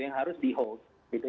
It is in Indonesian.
yang harus di hold gitu